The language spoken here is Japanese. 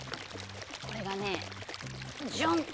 これがねジャン！